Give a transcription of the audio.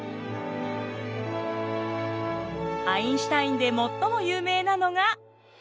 アインシュタインで最も有名なのが。